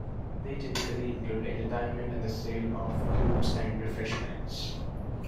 They typically include entertainment and the sale of goods and refreshments.